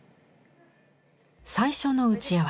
最初の打ち合わせ。